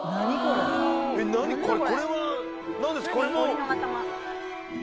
これは何です？